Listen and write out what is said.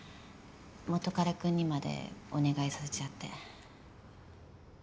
元彼くんにまでお願いさせちゃって。